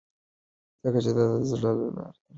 ځکه چې دا د زړه له درده راوتلي.